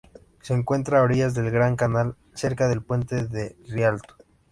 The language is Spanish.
Se encuentra a orillas del Gran Canal cerca del puente de Rialto.